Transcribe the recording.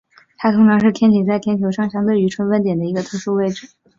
它通常是天体在天球上相对于春分点的一个特殊位置。